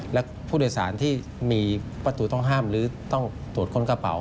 และผู้โดยสารที่มีประตูต้องห้ามหรือต้องตรวจค้นกระเป๋า